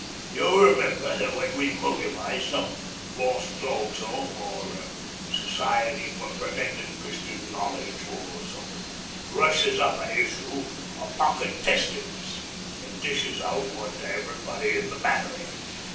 You'll remember that, when we mobilised, some Lost Dogs' 'Ome or Society for Preventin' Christian Knowledge, or something, rushes up a issue o' pocket Testaments an' dishes out one to everybody in the Battery.